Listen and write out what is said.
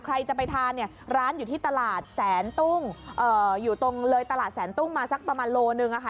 ใครจะไปทานเนี่ยร้านอยู่ที่ตลาดแสนตุ้งอยู่ตรงเลยตลาดแสนตุ้งมาสักประมาณโลนึงอะค่ะ